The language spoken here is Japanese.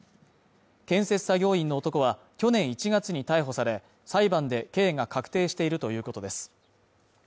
建設作業員の男は去年１月に逮捕され、裁判で刑が確定しているということです。